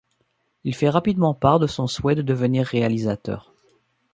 Il fait rapidement part de son souhait de devenir réalisateur.